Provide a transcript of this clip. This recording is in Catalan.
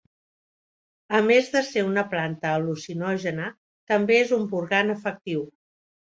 A més de ser una planta al·lucinògena també és un purgant efectiu.